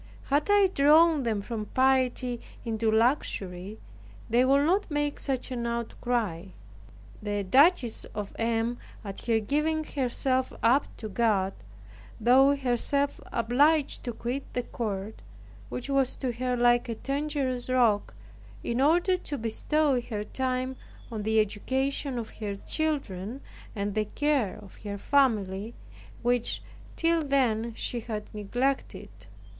Had I drawn them from piety into luxury, they would not make such an outcry. The Duchess of M. at her giving herself up to God, thought herself obliged to quit the court, which was to her like a dangerous rock, in order to bestow her time on the education of her children and the care of her family, which, till then, she had neglected.